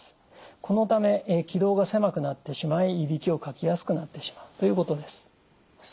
このため気道が狭くなってしまいいびきをかきやすくなってしまうということです。